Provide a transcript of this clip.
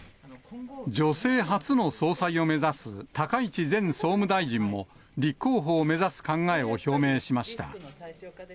女性初の総裁を目指す高市前総務大臣も、立候補を目指す考えを表明しました。